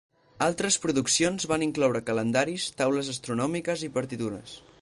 Altres produccions van incloure calendaris, taules astronòmiques i partitures.